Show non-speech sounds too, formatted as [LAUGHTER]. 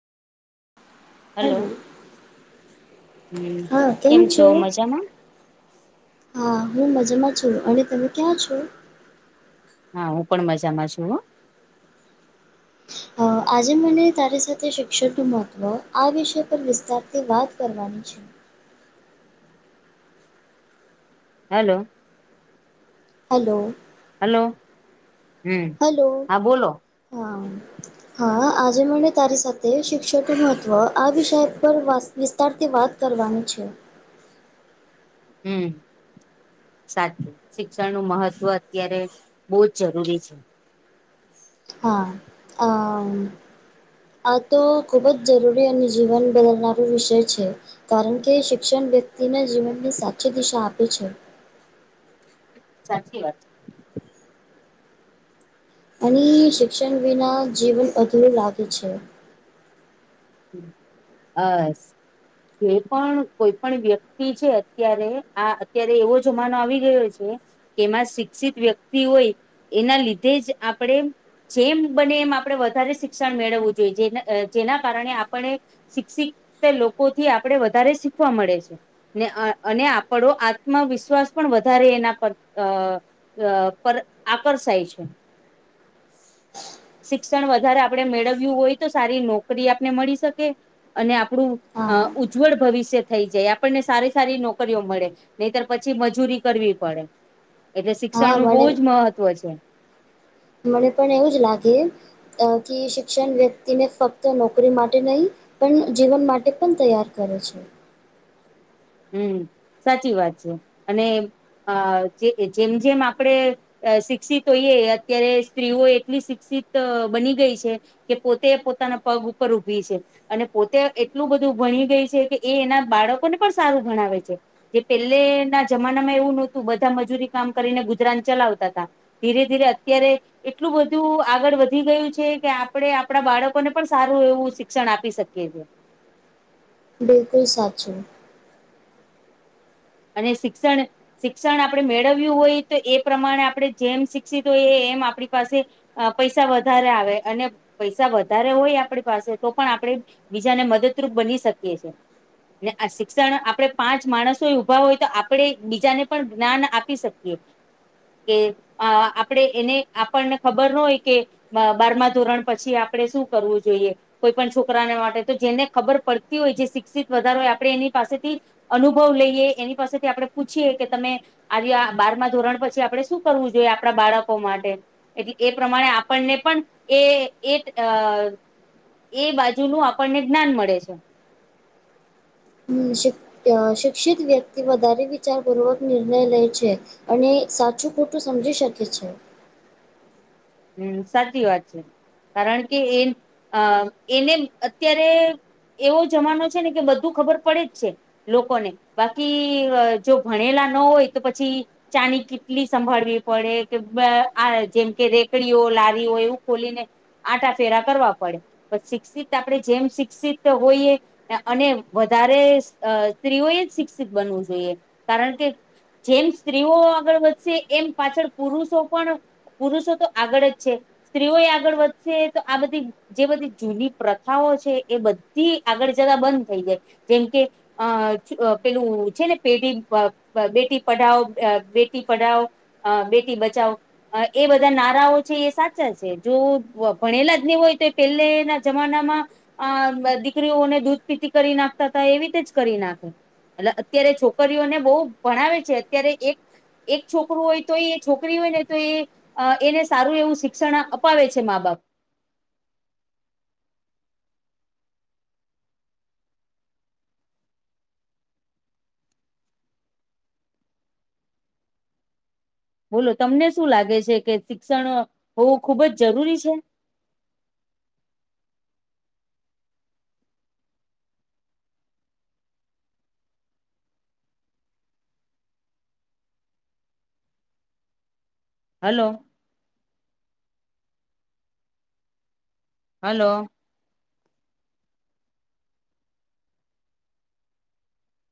Hello hello. હમ કેમ છો મજામાં? હા હું મજામાં છું અને તમે ક્યાં છો? હા હું પણ મજામાં છું હ આજે મને તારી સાથે શિક્ષણનું મહત્ત્વ આ વિષય પર વિસ્તારથી વાત કરવાની છે હલો હલો. હલો. હમ હલો હા બોલો હા. હા આજે મને તારી સાથે શિક્ષકનું મહત્વ આ વિષય પર વાસ વિસ્તારથી વાત કરવાનું છે. હમ. સાચું શિક્ષણ નું મહત્વ અત્યારે બહુ જ જરૂરી છે. હા અમ આ તો ખૂબ જ જરૂરી અને જીવન બદલનારો વિષય છે. કારણ કે શિક્ષણ વ્યક્તિના જીવનની સાચી દિશા આપે છે. સાચી વાત. અને શિક્ષણ વિના જીવન અધુંરું લાગે છે. અસ કોઈ પણ કોઈ પણ વ્યક્તિ છે અત્યારે આ અત્યારે એવો જમાનો આવી ગયો છે. તેમાં શિક્ષિત વ્યક્તિ હોય એના લીધે જ આપડે જેમ બને એમ આપડે વધારે શિક્ષણ મેળવવું જોઈએ જેના જેના કારણે આપણે શિક્ષિત લોકો થી આપડે વધારે શીખવા મળે છે. ને અને આપડો આત્મવિશ્વાસ પણ વધારે એના પર અ અહ પર આકર્ષાય છે. શિક્ષણ વધારે આપણે મેળવ્યું હોય તો સારી નોકરી આપને મળી શકે, અને આપણું અહ હા ઉજ્જવળ ભવિષ્ય થઈ જાય, આપણને સારી સારી નોકરીઓ મળે. નહીંતર પછી મજૂરી કરવી પડે, એટલે હા શિક્ષણ નું બહુ મને જ મહત્વ છે. મને પણ એવું જ લાગે અહ કે શિક્ષણ વ્યક્તિને ફક્ત નોકરી માટે નહીં પન જીવન માટે પણ તૈયાર કરે છે. હમ્મ, સાચી વાત છે. અને આ જે જેમ-જેમ આપડે અહ શિક્ષિત હોઈએ અત્યારે સ્ત્રીઓ એટલી શિક્ષિત બની ગઈ છે કે પોતે પોતાના પગ ઉપર ઊભી છે. અને પોતે એટલું બધું ભણી ગઈ છે કે એ એના બાળકોને પણ સારું ભણાવે છે. જે પેલે ના જમાનામાં એવું નહોતું, બધા મજૂરી કામ કરીને ગુજરાન ચલાવતા તા. ધીરે-ધીરે અત્યારે એટલું બધું આગળ વધી ગયું છે કે આપણે આપણા બાળકોને પણ સારું એવું શિક્ષણ આપી શકીએ છીએ. બિલકુલ સાચું. અને શિક્ષણ શિક્ષણ આપણે મેળવ્યું હોય તો એ પ્રમાણે આપણે જેમ શિક્ષિત હોઈએ એમ આપણી પાસે અહ પૈસા વધારે આવે, અને પૈસા વધારે હોય આપણી પાસે તો પણ આપણેે બીજાને મદદરૂપ બની શકીએ છીએ, ને આ શિક્ષણ આપણે પાંચ માણસો ઊભા હોય તો આપણેે એક બીજાને પણ જ્ઞાન આપી શકીએ. કે અહ આપણે એને આપણને ખબર ન હોય કે બ બારમા ધોરણ પછી આપણે શું કરવું જોઈએ. કોઈ પણ છોકરાને માટે, તો જેને ખબર પડતી હોય, જે શિક્ષિત વધારો હોય આપણે એની પાસેથી અનુભવ લઈએ, એની પાસેથી આપણે પૂછીએ કે તમે આ રયા બારમા ધોરણ પછી આપડે શું કરવું જોઈએ આપણા બાળકો માટે? એટલે એ પ્રમાણે આપણને પણ એ એક અહ એ બાજુ નું આપણને જ્ઞાન મળે છે. હમ્મ. શિક અહ શિક્ષિત વ્યક્તિ વધારે વિચાર પૂર્વક નિર્ણય લે છે. અને સાચું ખોટું સમજી શકે છે. હમ્મ સાચી વાત છે. કારણ કે એ અહ એને અત્યારે એવો જમાનો છે ને કે બધું ખબર પડે જ છે લોકોને, બાકી અહ જો ભણેલા ન હોય તો પછી ચાની કીટલી સંભાળવી પડી, કે બ આ જેમ કે રેક કડીઓ, લારીઓ એવું ખોલીને આંટા ફેરા કરવા પડે. પણ શિક્ષિત આપણે જેમ શિક્ષિત હોઈએ અને વધારે સ્ત્રીઓએ જ શિક્ષિત બનવું જોઈએ, કારણ કે જેમ સ્ત્રીઓ આગળ વધશે, એમ પાછળ પુરુષો પણ, પુરુષો તો આગળ જ છે. સ્ત્રીઓ એય આગળ વધશે તો આ બધી જે બધી જૂની પ્રથાઓ છે, એ બધી આગળ જતા બંધ થઈ જાય, જેમ કે અહ છ પેલું છે ને [UNINTELLIGIBLE] બ બેટી પઢાઓ અહ બેટી પઢાઓ, અહ બેટી બચાવો, એ બધા નાર રાઓ છે એ સાચા છે. જો ભણેલા જ નહીં હોય તો પહેલેના જમાનામાં અહ દીકરીઓને દૂધ પીતી કરી નાખતા તા એવી રીતે જ કરી નાખે છે. એટલે અત્યારે છોકરીઓને બહુ ભણાવે છે. અત્યારે એક એક છોકરો હોય તોય એ છોકરી હોય ને તો એ અહ એને સ સારું એવું શિક્ષણ અપાવે છે માં બાપ. બોલો તમને શું લાગે છે કે શિક્ષણ હોવું ખુબ જ જરૂરી છે? હેલો? હલો?